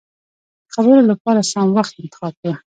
د خبرو له پاره سم وخت انتخاب کړه.